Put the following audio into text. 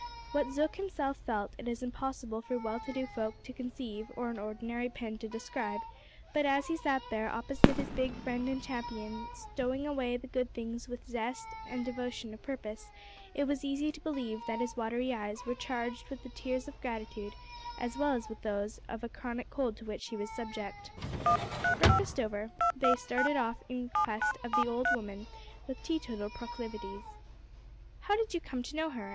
What Zook himself felt, it is impossible for well to do folk to conceive, or an ordinary pen to describe; but, as he sat there, opposite to his big friend and champion, stowing away the good things with zest and devotion of purpose, it was easy to believe that his watery eyes were charged with the tears of gratitude, as well as with those of a chronic cold to which he was subject. Breakfast over, they started off in quest of the old woman with teetotal proclivities. "How did you come to know her?"